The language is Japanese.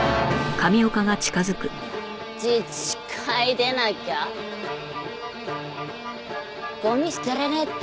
自治会出なきゃゴミ捨てれねえって？